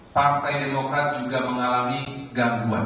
partai demokrat juga mengalami gangguan